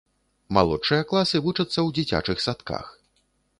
Малодшыя класы вучацца ў дзіцячых садках.